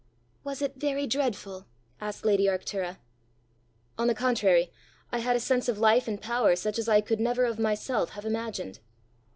"Was it very dreadful?" asked lady Arctura. "On the contrary, I had a sense of life and power such as I could never of myself have imagined!"